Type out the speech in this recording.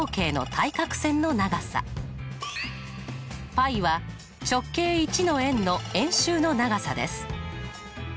πは直径１の円の円周の長さです。